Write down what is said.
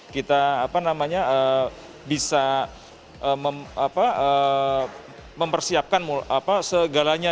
kita bisa mempersiapkan segalanya